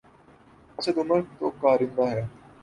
اسد عمر تو کارندہ ہے۔